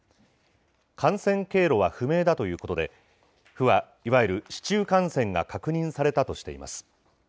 感染経路は不明だということで、府はいわゆる市中感染が確認されたとしています。